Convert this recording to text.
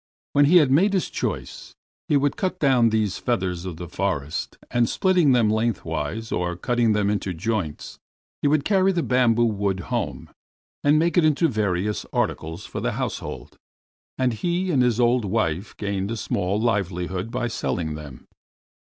When he had made his choice, he would cut down these feathers of the forest, and splitting them lengthwise, or cutting them into joints, would carry the bamboo wood home and make it into various articles for the household, and he and his old wife gained a small livelihood by selling them.